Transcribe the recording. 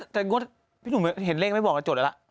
แต่พี่หนูเห็นเลขไม่บอกแล้วจดอะระ